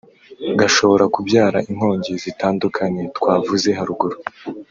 gashobora kubyara inkongi zitandukanye twavuze haruguru